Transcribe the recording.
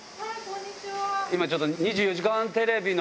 今ちょっと２４時間テレビの。